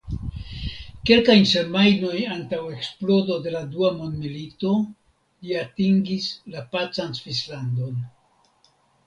Kelkajn semajnojn antaŭ eksplodo de la Dua mondmilito li atingis la pacan Svislandon.